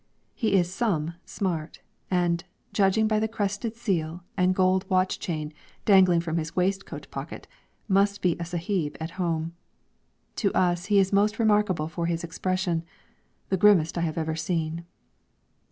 He is "some" smart, and, judging by the crested seal and gold watch chain dangling from his waistcoat pocket, must be a sahib at home. To us he is most remarkable for his expression the grimmest I have ever seen.